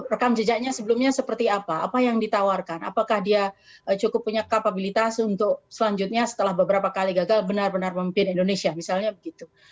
rekam jejaknya sebelumnya seperti apa apa yang ditawarkan apakah dia cukup punya kapabilitas untuk selanjutnya setelah beberapa kali gagal benar benar pemimpin indonesia misalnya begitu